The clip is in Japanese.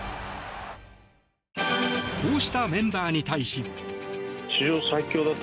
こうしたメンバーに対し。